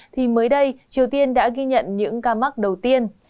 thì mới đây triều tiên đã ghi nhận những ca mắc đầu tiên